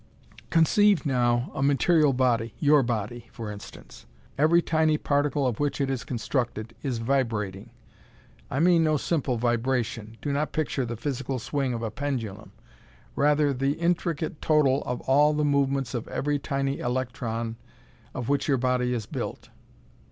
Conceive, now, a material body your body, for instance. Every tiny particle of which it is constructed, is vibrating. I mean no simple vibration. Do not picture the physical swing of a pendulum. Rather, the intricate total of all the movements of every tiny electron of which your body is built.